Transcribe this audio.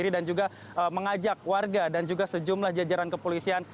dan juga mengajak warga dan juga sejumlah jajaran kepolisian